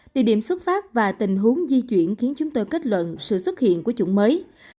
địa điểm xuất phát và tình huống di chuyển khiến chúng tôi kết luận sự xuất hiện của chủng mới